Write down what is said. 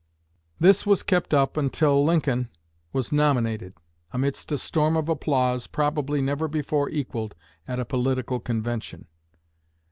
This was kept up until Lincoln was nominated, amidst a storm of applause probably never before equalled at a political convention."